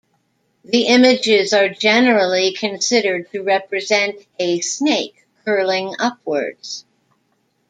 The images are generally considered to represent a snake curling upwards.